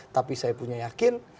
tapi saya punya yakin